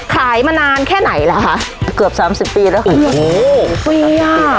ขายมานานแค่ไหนล่ะคะเกือบสามสิบปีแล้วคุณโอ้โหฟรีอ่ะ